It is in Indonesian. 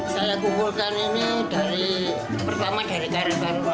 saya kumpulkan ini pertama dari karakter